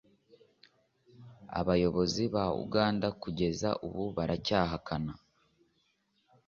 abayobozi ba uganda kugeza ubu baracyahakana